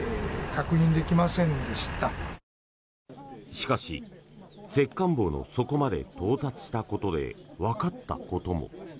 しかし、石棺墓の底まで到達したことでわかったことも。